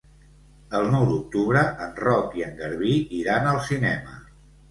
El nou d'octubre en Roc i en Garbí iran al cinema.